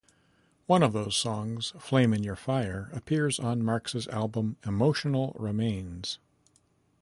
One of those songs, "Flame In Your Fire", appears on Marx's album "Emotional Remains".